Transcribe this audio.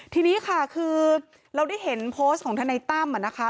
ทีนี้ค่ะคือเราได้เห็นโพสต์ของทนายตั้มนะคะ